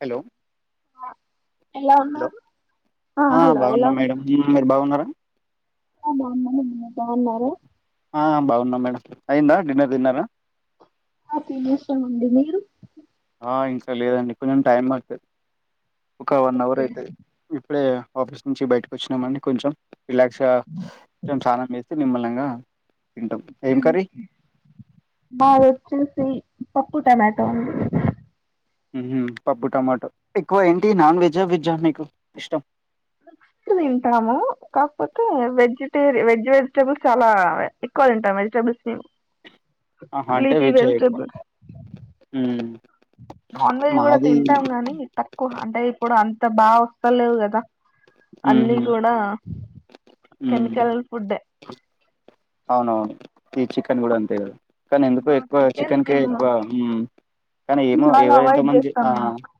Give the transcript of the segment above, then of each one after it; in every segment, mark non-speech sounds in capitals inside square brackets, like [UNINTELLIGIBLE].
Hello ఎలా hello ఉన్నారు ఆ బాగున్నా మేడం మీరు బాగున్నారా. ఆ బాగున్నా మీరు బాగున్నారా ఆ బాగున్నాం మేడం అయిందా డిన్నర్ తిన్నరా. ఆ తీనేసం అండి మీరు ఆ ఇంకా లేదండి కొంచెం టైం పడుతది. ఒక వన్అవర్ అయితది ఇప్పుడే ఆఫీస్ నుంచి బయటకు వచ్చినామండి కొంచెం రిలాక్స్ గా కొంచం స్నానం చేసి నిమ్మల్లంగా హ్మ్ మాది వచ్చేసి పప్పు టమాటో అండి. హుహు పప్పు టమాటో ఎక్కువ ఏంటి నాన్ వెజ్ ఆ, వెజ్ ఆ మీకు ఇష్టం. ఎక్కు తింటాము కాకపోతే, వెజిటేరి వెజ్ వెజిటేబుల్స్ చాలా ఎక్కువ తింటాము వెజిటబుల్స్ మేము. ఆహా అంటే వెజ్ ఏ ఎక్కువా. యూ నాన్ వెజ్ కూడా తింటాం గాని తక్కువ, అంటే ఇప్పుడు అంత బాగు వస్త లేవు కదా. అన్ని ఉహు కూడా ఉమ్ కెమికల్ ఫుడ్ డే అవునవును ఈ చికెన్ కూడా అంతే కదా కానీ ఎందుకో ఎక్కువ చికెన్ కే ఎక్కువా హు కానీ చికెన్ ఏమో చాలా ఎవరు ఎంతో అవాయిడ్ మంది చేస్తాం ఆ మేము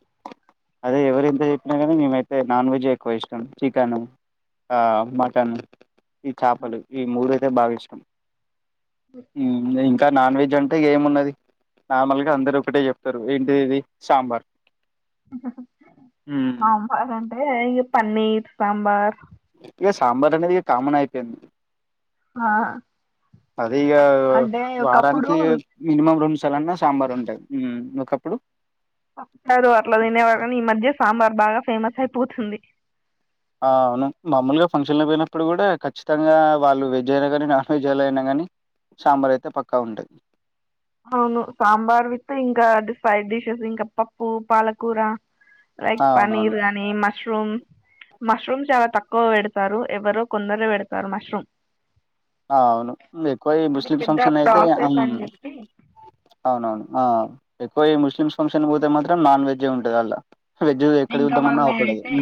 అదే ఎవరు ఎంత చెప్పినా కానీ మేము అయితే నాన్ వెజ్ ఐ ఎక్కువ ఇష్టం. చికెను, ఆ మటన్. ఈ చాపలు ఈ మూడు అంటే బాగా ఇష్టం ఏంలే ఇంకా నాన్ వెజ్ అంటే ఏమున్నది నార్మల్ గా అందరు ఒకటే చెప్తారు ఏంటిది ఇది సాంబార్. హు హ్మ్. సాంబార్ అంటే ఇక పన్నీర్ సాంబార్ ఎ ఆ అది ఇగ అంటే ఒకప్పుడు వారానికి మినిమం రెండు సార్లు అన్న సాంబార్ ఉంటది. హు కప్పుడు చెప్తారు అట్ల తినేవారాని ఈ మధ్య సాంబార్ ఫేమస్ అయిపోతుంది ఆ అవును మామూలుగా ఫంక్షన్ లో పోయినప్పుడు కూడా ఖచ్చితంగా వాళ్లు వెజ్ అయినా కానీ నాన్ వెజ్ అయినా కానీ సాంబార్ అయితే పక్క ఉంటది అవును సాంబార్ విత్ ఇంకా ఫైడ్ డిషెస్ ఇంకా పప్పు పాలకూర లైక్ అవునవును పనీర్ అని మస్ మష్రూమ్ మష్రూమ్ చాలా తక్కువ పెడతారు ఎవరో కొందరే పెడతారు మష్రూమ్ అవును ఎక్కువ ఈ అది ముస్లిం పెద్ద ఫంక్షన్ లో అయితే ప్రాసెస్ ఆమ్ అని చెప్పి అవును అవును ఆ ఎక్కువ ఇ ముస్లిమ్స్ ఫంక్షన్ పోతే మాత్రం నాన్ వెజ్ ఐ ఉంటది అలా ఇంకా వాళ్ళ అయితే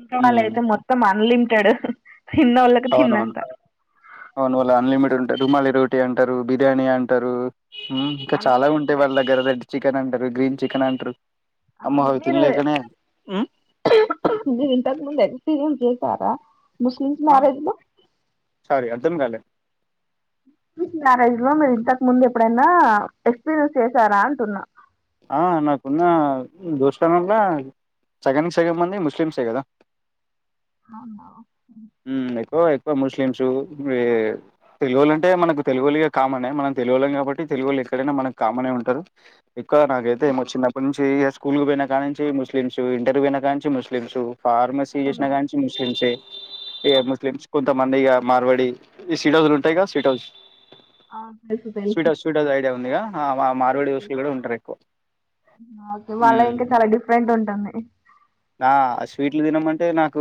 ఇంకా వాళ్లు హ్మ్ అయితే మొత్తం అన్లిమిటెడ్ తిన్న వోళ్ళకి తిన్న అవునవును అంత అవును వాళ్ల అన్లిమిటెడ్ ఉంటారు రుమాలి రోటీ అంటారు బిర్యానీ అంటారు యూ ఇంకా చాలా ఉంటాయి వాళ్ళ దగ్గర దగ్గ చి చికెన్ అంటారు గ్రీన్ చికెన్ అంటారు అమ్మో అవును అవి మీరు తినలేకనే హ్మ్ మీరు ఇంతకు ముందు ఎక్స్పీరియన్స్ చేస్ తారా ముస్లిమ్స్ ఆ మ్యారేజ్ లో సారీ అర్థం కాలే ముస్లిమ్స్ మ్యారేజ్ లో మీరు ఇంతకు ముందు ఎప్పుడైనా ఎక్స్పీరియన్స్ చేసారా అంటున్నా ఆ నాకున్న దోస్తునల సగానికి సగం మంది ముస్లిమ్సే కదా అవునవు హ్మ్ ఎక్కువ ఎక్కువ ముస్లింసూ ఈ తెలుగోళ్లంటే మనకు తెలుగోలిగా కామనే మనం తెలుగోళ్ళం కాబట్టి తెలుగోళ్ళు ఎక్కడైనా మనకు కామనే ఉంటారు క నాకైతే ఏమో చిన్నప్పటి నుంచి తీ ఇగ స్కూల్ కు పోయినా కాని నుంచి ముస్లిమ్స్ ఇంటర్ పోయినా కా నుంచి ముస్లిమ్స్ ఫార్మసీ చేసినా కా నుంచి ముస్లిమ్స్ ఇక ముస్లిమ్స్ కొంత మన్ దిగా మార్వడి ఈ సీట్ హౌస్లు ఉంటాయి సీట్ హౌస్ తెలుసు sweet house sweet house idea ఉందిగా ఆ మా మారువడి వససులు కూడా ఉంటరి ఆ ఓకే వాళ్ళ ఇంకా చాలా డిఫరెంట్ ఉంటుంది అంటే నాకు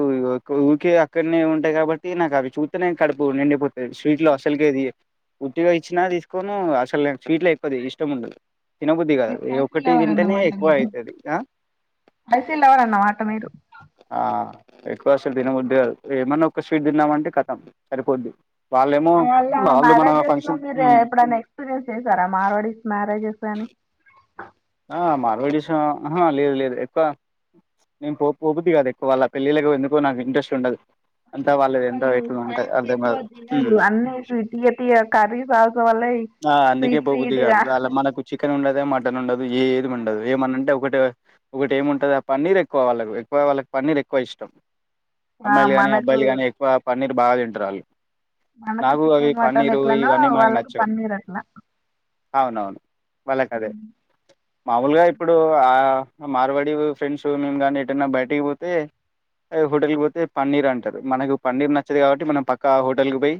ఊరికే అక్కడనే ఉంటాయ్ కాబట్టి నాకు అవి చూత్తనే కడుపు నిండిపోతది స్వీట్లు అస్సల్కే ది ఉత్తిగా ఇచ్చినా తీసుకోను అసలు నేన్ స్వీట్ లే కొద్ది ఇష్టం ఉండదు తిన బుద్ధి కాదు ఏ స్పైసీ ఒక్కటి లవర్ తింటేనే అన్నమాట ఎక్కువ అయితది ఆ మీరు ఆ ఎక్కువ అసలు తినబుద్ధి కాదు ఏమన్నా ఒక స్వీట్ తిన్నామంటే ఖతం సరిపోద్ది వాళ్ళేమో అళ్ళ వాళ్ళు మన మ్యారేజెస్ లో ఫంక్షన్ మీరు హ్మ్. ఎప్పుడైనా ఎక్స్పీరియన్స్ చేసారా మార్వడిస్ మ్యారేజెస్ అని ఆ మార్వడిస్ ఆ ఆహా లేదు లేదు ఎక్కువ నేను పో పోపుద్ది కాదు ఎక్కువ వాళ్ళ పెళ్ళిళ్లకు ఎందుకో నాకు ఇంట్రెస్ట్ ఉండదు అంతా వాళ్ళది ఎంత వాళ్ళు ఎట్లా ఉంటది స్పైసీ అర్థం ఎక్కువ కాదు తినరు హ్మ్. అన్నీ స్వి తియ్య తియ్యగా కర్రీ సాస్ వల్ల ఆ అందుకే స్వీట్ పోబుద్ది స్వీట్గా కాదు అలా మనకు చికెన్ ఉండదు మటన్ ఉండ ఏది ఉండదు ఏమన్న అంటే ఒకటె ఒకటి ఏముంటది ఆ పన్నీర్ ఎక్కువ వాళ్ళకు ఎక్కువ వాళ్ళకి పన్నీర్ ఎక్కువ ఇష్టం ఆ అమ్మాయిలు గానీ అబ్బాయిలు మనకు గానీ ఎక్కువ ప పన్నీర్ బాగా తింటరు వాళ్ళు మనకు నాకు అవి చికెన్ మటన్ పన్నీరు ఎట్లేనో ఇవన్నీ మనకు వాళ్ళకు నచ్చవు పన్నీర్ అట్ల అవునవును వాళ్లకదే మామూలుగా ఇప్పుడు ఆ మార్వాడి ఫ్రెండ్స్ మేము కానీ ఎటన్నా బయటకి పోతే హోటల్కి పోతే పన్నీర్ అంటరు మనకు పన్నీర్ నచ్చదు కాబట్టి మనం పక్కా హోటల్కి పోయి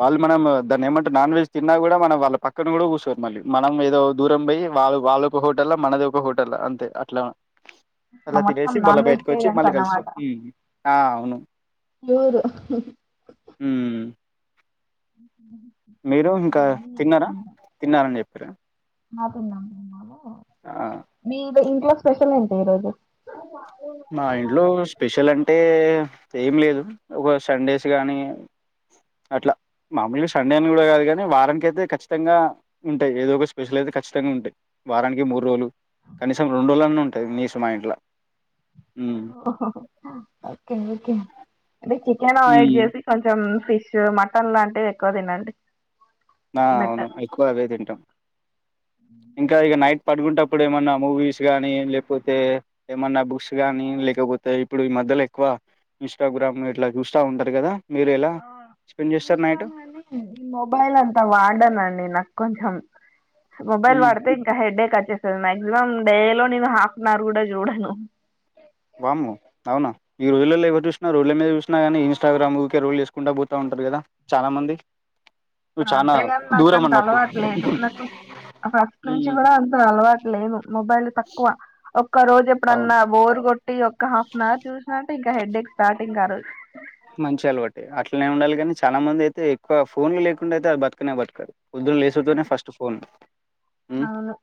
వాల్ మనమ్ దాన్ని ఏమంటే నాన్ వెజ్ తిన్నా కూడా మనం వాళ్ళ పక్కన కూడా కూర్చొరు మళ్ళీ మనం ఏదో దూరం పోయి వాళ్ళు వాళ్ళోక హోటల్ల మనది ఒక హోటల్ల అంతే అట్లా అలా మొత్తం తినేసి మల్ల నాన్ బయటకు వచ్చి వెజిటేరియన్స్ మళ్ళీ కలుస్తాం అన్నమాట ఉమ్ ఆ అవును ప్యూర్ ఉమ్ మీరు ఇంకా తిన్నారా తిన్నరం చెప్ ర మాకున్న ఇన్నాళ్లు మీ ఇంట్లో స్పెషల్ ఏంటి ఈరోజు మా ఇంట్లో స్పెషల్ అంటే ఏం లేదు. ఒక సండేస్ కానీ అట్లా మామూలుగా సండే అని కూడా కాదు కానీ వారానికి అయితే ఖచ్చితంగా ఉంటాయి ఏదో ఒక స్పెషల్ అయితే ఖచ్చితంగా ఉంటాయి. వారానికి మూడు రోజులు కనీసం రెండు రోజుల అన్నీ ఉంటాయి నీస్ మా ఇంట్ల హ్మ్ ఓకే ఓకే అంటే అవాయిడ్ హ్మ్ చేసి కొంచెం ఫిష్ మటన్ లాంటివి ఎక్కువ తినండి. ఆ అవును బెటర్ ఎక్కువ అవే తింటాం ఇంకా ఇక నైట్ పడుకుంటప్పుడు ఏమన్నా మూవీస్ కానీ లేకపోతే ఏమన్నా బుక్స్ కానీ లేకపోతే ఇప్పుడు ఈ మధ్యలో ఎక్కువ ఇన్స్టాగ్రామ్ ఇట్లా చూస్తా ఉంటారు కదా మీరు ఎలా ఆ స్పెండ్ చేస్తారు నైట్? మొబైల్ వాడనండి నాకు కొంచెం మొబైల్ హ్మ్ వాడుతే ఇంకా హెడేక్ మాక్సిమం డే లో నేను హాఫ్ అన్ అవర్ కూడా చూడాను. వామ్మో! అవునా? ఈ రోజులలో ఎవరు చూసినా రోజల మీద చూసినా కానీ ఇస్టాగ్రామ్ రోల్ చేసుకుంటా పోతా ఉంటారు కదా చాలా మంది నువ్వు చానా అంతేగాని నాకు దూరం అంత అన్నట్టు అలవాటు లేదు. నాకు ఫస్ట్ నుంచి ఉమ్ కూడా అంత అలవాటు లేదు మొబైల్ తక్కువ ఒక రోజు అవును ఎప్పుడన్నా బోర్ కొట్టి ఒక హాఫ్ అన్ అవర్ చూసినట్ ఇంకా హెడ్డేక్ స్టార్ట్ ఇంకా ఆ రో మంచి అలవాటే అట్లనే ఉండాలి. కానీ చాలా మంది అయితే ఎక్కువ ఫోన్లు లేకుండా అయితే అది బతుకనే బతుకరు. పొద్దునా లేసుడు తోనే ఫస్ట్ ఫోన్ అవును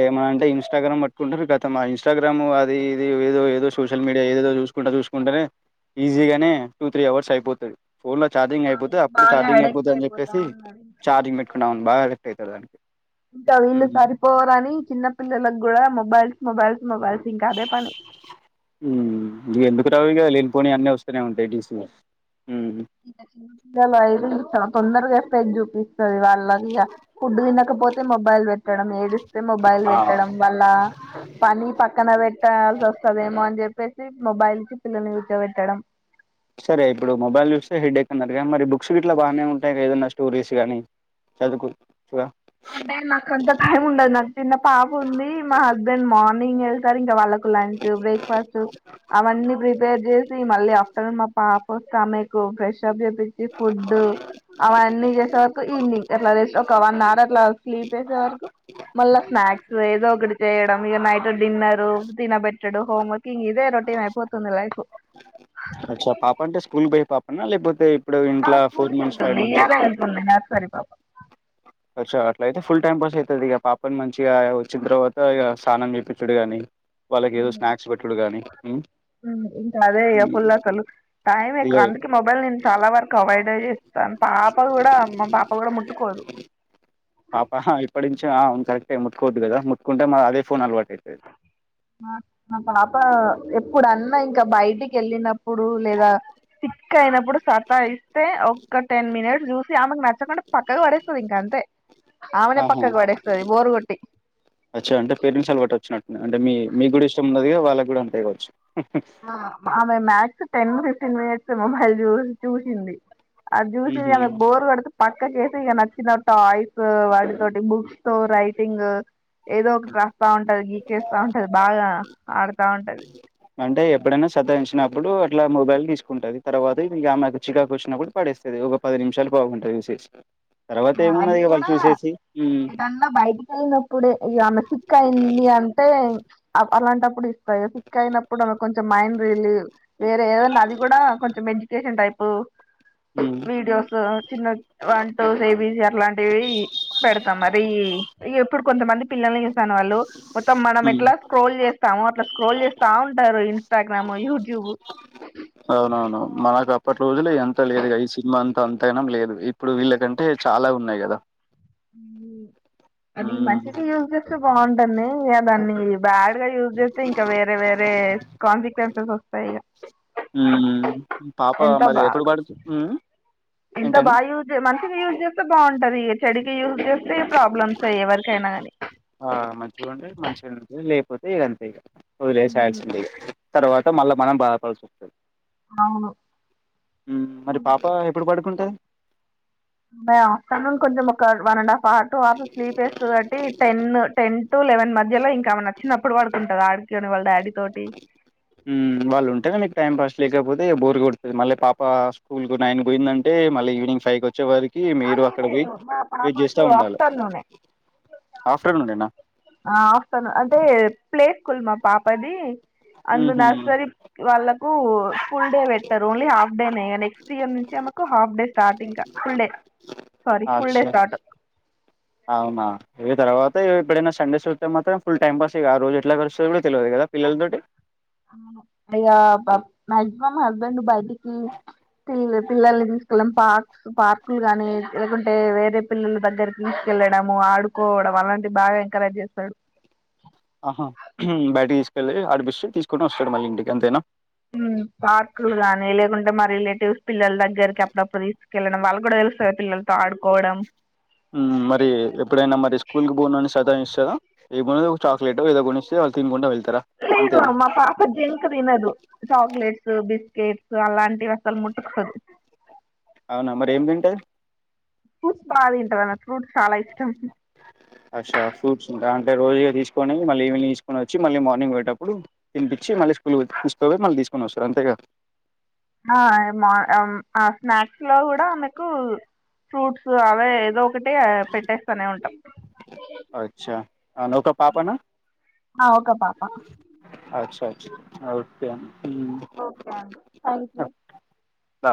ఏమనా అంటే ఇన్స్టాగ్రామ్ పట్టుకుంటారు ఖాతం మా ఇంస్టాగ్రామ్ అది ఇది ఏదో ఏదో సోషల్ మీడియా ఏదేదో చూసుకుంట చూసుకుంటేనే ఈజీగా నే టూ త్రీ అవర్స్ అయిపోతుంది ఫోన్ లో ఛార్జింగ్ అయిపోతే అవును అడు బాగా చార్జింగ్ అడిక్ట్ అయిపోతుందిని అయిపోతా చెప్పేసి ఉన్నారు చార్జింగ్ పెట్ వు బాగాలెట్ అవుతారు దానికి ఇంకా వీళ్ళు ఉమ్ సరిపోవరని చిన్నపిల్లలకు కూడా మొ మొబైల్స్ మొబైల్స్ మొబైల్స్ ఇంకా అదే పని ఉమ్ ఎందుకు రావుగా లే పోనీ అన్నీ వస్తూనే ఉంటాయి డడిసీ [UNINTELLIGIBLE] పేజీ ది వాళ్ళగగా ఫుడ్ తినక లేకపోతే మొబైల్ పెట్ ట్ట ఏదిస్తే మొబైల్ ఆ పెట్టడం వల్ల పని పక్కన పెట్టాల్సి వస్తదేమో అని చెప్ చెప్పేసి మొబైల్ కి పిల్లని కూర్చోబెట్టడం సరే ఇప్పుడు మొబైల్ హెడ్డేక్ అన్నారు కానీ మరి బుక్స్ గ ఇట్లా బాగానే ఉంటాయి ఏదన్నా స్టోరీస్ గానీ చదువుకోవచ్చుగా అంటే నాకు అంత టైం ఉండదు నాకు చిన్న పాప ఉంది మా హస్బెండ్ మార్నింగ్ ఎ వాళ్కు లంచ్ బ్రేక్ ఫాస్ట్ అవన్నీ ప్రిపేర్ చేసి మళ్ళ ఆఫ్టర్నూన్ పాప స గోకాస్ చాబ్ చెప్పేచి ఫుడ్ అవన్నీ చేసే వరకు ఈవినింగ్ ఎట్లా ఒక వన్ అవర్ క్లా స్లీప్ ఎసే వరకు మళ్ళా స్నాక్స్ ఏదో ఒకటి చేయడం ఇగ నైట్ డిన్నర్ తినబెట్టడు హోమ్వర్కి ఇంగ్ ఇదే రొటీమ్ అయిపోతుంది లైఫ్ అచ్చ పాపన్ంట స్కూల్ బోయే పాపన నా లేపోతే ఆ స్కూల్ ఎళ్తుంది ఈయలే ఎళ్తుంది నర్సరీ పాప వచ్చ అట్ల అయితే ఫుల్ టైం పాస్ అవుతుంది ఇక పాపని మంచిగా వచ్చిన తర్వాత ఇక స్నానం చేపిచుడు గాని వాళ్ళకి ఏదో స్నాక్స్ పెట్టుడు గాని ఉమ్ ఇంకా అదే ఇ ఫుల్ అసలు టైం ఎ ఇగ అందుక మొబైల్ నేను చాలా వరకు అవాయిడ్ డై తన పాప కూడా మా పాప కూడా ముట్టుకోదు కరెక్ట్ అ ముతుకోవద్దు కదా ముట్టుకుంటే మరి అదే ఫోన్ అలవాటు ఐతది మా పాప ఎప్పుడు అన్నా ఇంకా బయటికి ఎళ్ళినప్పుడు లేదా సిక్ అయినప్పుడు సతాయి సే ఒక్క టెన్ మినిట్స్ జూసి ఆమె క్ న చ్చకుంటే పక్కకు పడస్తది ఇంకా అంతే ఆమెనే ఆహా పక్కకు పడేస్తది బోరుగొట్టి అచ్చా అంటే పేరెంట్స్ అలవాటు వచ్చినట్టుంది అంటే మీ మీకు కూడా ఇష్టం ఉన్నది వాళ్ళ కూడా అంతే ఇవచ్చు అ ఆమె max ten fifteen minutes mobile చూసి చూసింది ఆ చూసి ఉహు ఆమె బోర్ కొడు పక్కకేసి ఇక నచ్చిన టాయిస్ వాటి తోటి బుక్స్ తో రైటింగ్ ఏదో ఒకటి రాస్తా ఉంటది గీకేస్తా ఉంటది బాగా ఆడుతా ఉంటది అంటే ఎప్పుడైనా సతాయించినప్పుడు అట్లా మొబైల్ తీసుకుంటుది తర్వాత ఆమెకు చికాకు వచ్చినప్పుడు పడేస్తుది ఒక పది నిమిషాలు పోకుంటయి చూసేసి తర్వాత అది ఏమున్నది ఇగ వాళ్ళు కూడా చూసేసి హ్మ్ ఏదన్నా బయటిక వెళ్ళినప్పుడే ఈ అనసిక్క అయింది అంటే అలాంటప్పుడు ఇస్తాయి సిక్ అయినప్పుడు ఆమె కొంచెం మైండ్ రిలీవ్ వేరే ఏదైన్నా అది కూడా కొంచెం ఎడ్యుకేషన్ టైప్ ఆ హ్మ్ వీడియోస్ చిన్న వట్ కేబీసి అట్లాంటివి పెడ్తాం మరి ఇప్పుడు కొంతమంది పిల్లల్ని న వాళ్ళు మొత్తం మనం హ్మ్ ఎట్ల స్క్రోల్ చేస్తామో అట్ల స్క్రోల్ చేస్తా ఉంటారు. ఇన్స్టాగ్రామ్, యూట్యూబ్ అవునవును మనక్ అప్పట్ రోజుల్లో ఈ అంత లేదుగ ఈ సినిమా అంత అంతగనం లేదు ఇప్పుడు వీళ్ళకంటే చాలా ఉన్నాయి కదా అది హ్మ్ మంచిగా యూజ్ చేస్తే బాగుంటది. ఇగ దాన్ని బ్యాడ్గా యూజ్ చేస్తే ఇంకా వేరే వేరే కాన్సిక్వెన్సెస్ వస్తాయి ఇగ హ్మ్ పాప ఎంత మరి బా ఎప్పుడు పడుతు హ్మ్ ఎంత ఏంటండి? బాగా యూజ్ మంచిగా యూజ్ చేస్తే బాగుం టది. చెడుకి యూజ్ చేస్తే ప్రాబ్లమ్స్ ఏ ఎవరికైనా గని ఆ మంచిగా ఉంటే మంచిగా ఉంటది. లే పోతే ఇగ అంతే ఇగ వదిలేయాల్సిందే ఇగ తర్వాత మళ్ళా మనం బాధపడాల్సి వస్తది అవును మరి పాప ఎప్పుడు పడుకుంటది. బై ఆఫ్టర్నూన్ కొంచం ఒక one and half hour to hour sleep ఏస్త కాబట్టి టెన్ టెన్ టు లెవెన్ మధ్యలో ఇంకా ఆమె నచ్చినప్పుడు పడుతుంటది ఆడికైన వాళ్ళ డాడీ తోటి మ్ వాళ్లుంటేనే మీకు టైం పాస్ లేకపోతే ఇగ బోర్ కొడ్తది. మళ్ళీ పాప స్కూల్కు నైన్కి పోయిందంటే మళ్ళ ఈవినింగ్ ఫైవ్కి వచ్చే వారి కీ ఆ మీరు లేదు అక్కడ్కి లేదు మా వెయిట్ పాపకు చేస్తా ఉండాలె ఆఫ్టర్నూనే ఆఫ్టర్నూనేనా ఆ ఆఫ్టర్నూన్ అంటే ప్లేస్ స్కూల్ మా పాపది అందు హుహు. నర్సరీ వాళ్ళకు ఫుల్ డే పెట్టరు ఓన్లీ హాఫ్ డేనే ఇగ నెక్స్ట్ ఇయర్ నుంచి ఆమెకు హాఫ్ డే స్టార్ట్ ఇంకా full day sorry full day అచ్చా! స్టార్ట్ అవునా ఇగ తర్వాత ఇగ ఎప్పుడైన సండేస్ వస్తే మాత్రం ఫుల్ టైం పాస్ ఇగ ఆ రోజు ఎట్లా గడుస్తుందో కూడా తెల్వది కదా పిల్లలతోటి అవును ఇగ బా మాక్సిమం హస్బెండ్ బయటికి పిల్ పిల్లల్ని తీస్కెళ్లడం పార్క్స్ పార్కులు గాని లేకుంటే వేరే పిల్లల దగ్గర తీస్కెళ్లడము, ఆడుకోవడం అలాంటి బాగా ఎంకరేజ్ చేస్తాడు. ఆహా బయటకి తీస్కెళ్ళి ఆడిపిస్తే తీస్కోని వస్తాడు మళ్ళీ ఇంటికి అంతేనా ఉమ్ పార్కులు గానీ లేకుంటే మరి లె చూస్ పిల్లల దగ్గర్కి అప్పుడప్పుడు తీస్కెళ్ళడం వాళ్ళక్ గుడా తెలుస్తాది పిల్లలతో ఆడు మ్ మరి ఎప్పుడైనా మరి స్కూల్కు పోను అని సతాయిస్ కదా రిబ్బను ఓ చాక్లెట్ ఏదో కొనిస్ వాళ్లు తినుకుంటా వెల్ లేదు మా పాప జంక్ తినదు చాక్లెట్స్ బిస్ కేక్స్ అలాంటివి అస్సలు ముట్కోదు అవునా మరి ఏం తింటది ఫ్రూట్స్ బాగా తింటాది ఫ్రూట్ చాలా ఇష్టం అచ్చా ఫ్రూట్స్ ఉంటా అంటే రోజు తీసుకని మళ్ళీ ఈవినింగ్ తీసుకొనిచ్చి మళ్ళీ మార్నింగ్ పోయేటప్పుడు తినిపిచ్చి మళ్ళీ స్కూల్కి తీసుక పోయి మళ్ళీ తీసుకని వస్తారు అంతేగదా ఆ మా ఆ స్నాక్స్ లో కూడా మీకు ఫ్రూట్స్ అవే ఏదో ఒకటె పెట్టేస్తాను ఉంటాం అచ్చా అవును ఒక పాపనా ఆ ఒక పాప అచ్చా అచ్చా [INAUDIBLE] ఓకే అండి థ్యాంక్యు ఆ